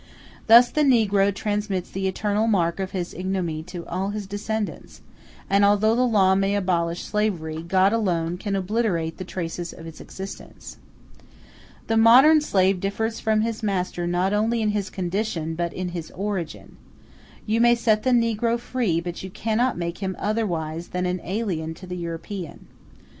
Thus the negro transmits the eternal mark of his ignominy to all his descendants; and although the law may abolish slavery, God alone can obliterate the traces of its existence. The modern slave differs from his master not only in his condition, but in his origin. You may set the negro free, but you cannot make him otherwise than an alien to the European.